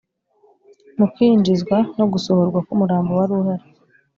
mu kwinjizwa no gusohorwa k’umurambo wari uhari